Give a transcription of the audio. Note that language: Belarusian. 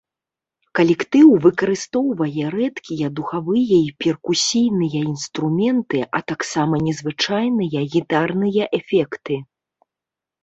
Калектыў выкарыстоўвае рэдкія духавыя і перкусійныя інструменты, а таксама незвычайныя гітарныя эфекты.